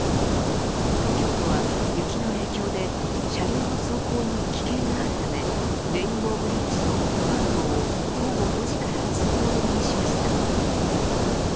東京都は雪の影響で車両の走行に危険があるためレインボーブリッジの一般道を午後５時から通行止めにしました。